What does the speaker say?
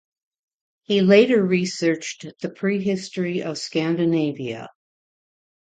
He later researched the prehistory of Scandinavia.